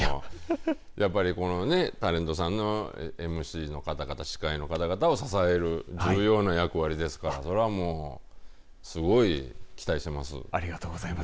やっぱりタレントさんのＭＣの方々司会の方々を支える重要な役割ですからありがとうございます。